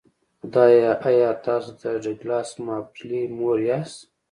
خدایه ایا تاسو د ډګلاس مابرلي مور یاست